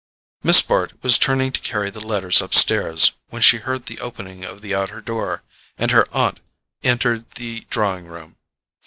Miss Bart was turning to carry the letters upstairs when she heard the opening of the outer door, and her aunt entered the drawing room.